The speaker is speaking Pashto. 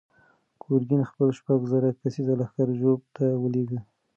ګورګین خپل شپږ زره کسیز لښکر ژوب ته ولېږه.